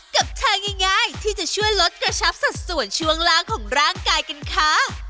กับเธอง่ายที่จะช่วยลดกระชับสัดส่วนช่วงล่างของร่างกายกันค่ะ